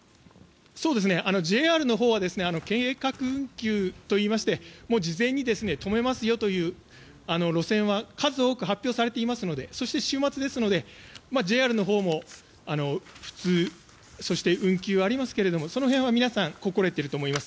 ＪＲのほうは計画運休といいまして事前に止めますよという路線は数多く発表されていますのでそして週末ですのでＪＲのほうも不通そして運休ありますがその辺は皆さん心得ていると思います。